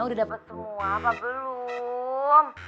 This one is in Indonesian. udah dapat semua apa belum